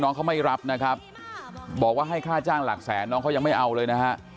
น้องเขาไม่รับนะครับบอกว่าให้ค่าจ้างหลักแสนน้องเขายังไม่เอาเลยนะฮะ